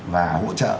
và hỗ trợ